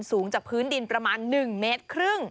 สูงจากพื้นดิน๑๕เมตร